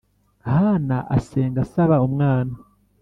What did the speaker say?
Hana asenga asaba umwana